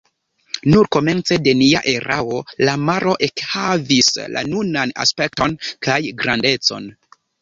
Nur komence de nia erao la maro ekhavis la nunan aspekton kaj grandecon.